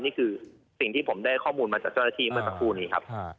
นี่คือสิ่งที่ผมได้ข้อมูลมาจากเจ้าหน้าที่เมื่อสักครู่นี้ครับ